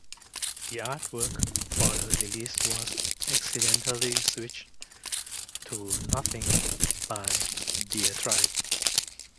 The artwork for the release was accidentally switched with "Nothing" by Diatribe.